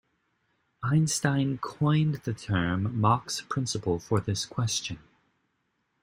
Einstein coined the term Mach's principle for this question.